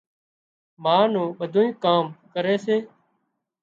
ما نُون ٻڌُونئي ڪام ڪري سي